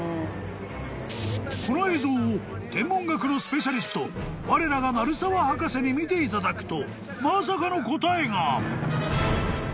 ［この映像を天文学のスペシャリストわれらが鳴沢博士に見ていただくとまさかの答えが］